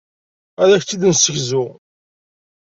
Ad ak-tt-id-nessegzu.